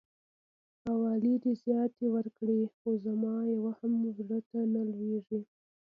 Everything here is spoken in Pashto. حوالې دي زياتې ورکړلې خو زما يوه هم زړه ته نه لويږي.